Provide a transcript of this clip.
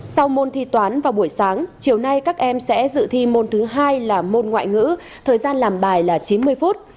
sau môn thi toán vào buổi sáng chiều nay các em sẽ dự thi môn thứ hai là môn ngoại ngữ thời gian làm bài là chín mươi phút